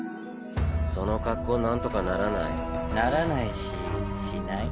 その格好なんとかならない？ならないししない。